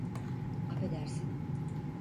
Afedersin.